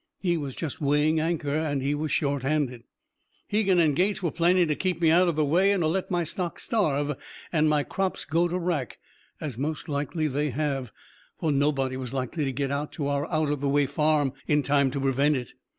He was just weighing anchor. And he was short handed. "Hegan and Gates were planning to keep me out of the way and to let my stock starve and my crops go to wrack as most likely they have, for nobody was likely to get to our out of the way farm in time to prevent it.